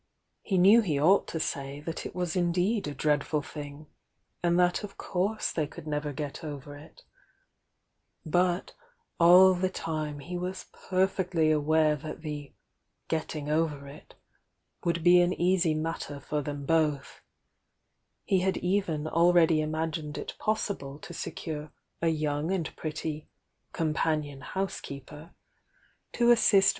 He knew he r,.|,rht to say that It waa indeed a dreadful thing, a, id that of pnurse they could never get over it, l m yl! tiio vi im he wa» perfectly aware that the ",? tiiug , .j v" .Vi uld be an easy matter for them h>th tie iu.d t cu already imagined it possible to f^cae a .viu.i • Mid pretty "companion housekeeper" to uwciMrs'j.